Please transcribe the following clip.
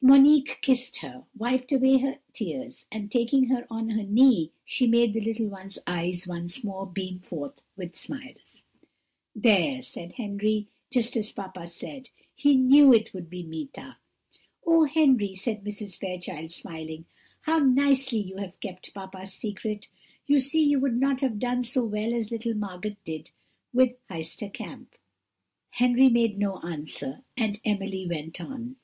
Monique kissed her, wiped away her tears, and, taking her on her knee, she made the little one's eyes once more beam forth with smiles." "There," said Henry, "just as papa said he knew it would be Meeta." "Oh, Henry!" said Mrs. Fairchild, smiling, "how nicely you have kept papa's secret! You see you would not have done so well as little Margot did with Heister Kamp." Henry made no answer, and Emily went on.